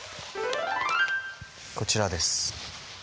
こちらです。